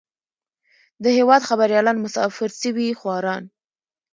د هېواد خبريالان مسافر سوي خواران.